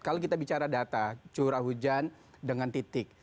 kalau kita bicara data curah hujan dengan titik